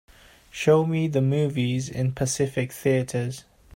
show me the movies in Pacific Theatres